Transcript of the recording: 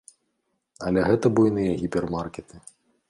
Але гэта буйныя гіпермаркеты.